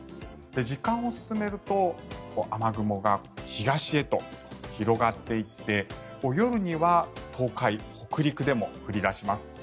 時間を進めると雨雲が東へと広がっていって夜には東海、北陸でも降り出します。